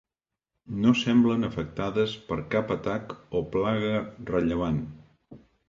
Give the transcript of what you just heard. No semblen afectades per cap atac o plaga rellevant.